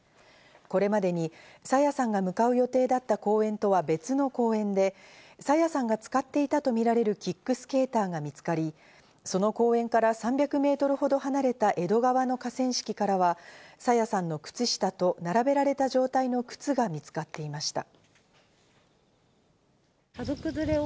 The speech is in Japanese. これまでに朝芽さんが向かう予定だった公園とは別の公園で朝芽さんが使っていたとみられるキックスケーターが見つかり、その公園から３００メートル離れた江戸川の河川敷からは朝芽さんの並べられた靴が見つかっていました。